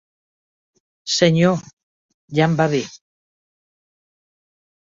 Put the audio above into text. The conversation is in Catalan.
Senyor, ja em va bé.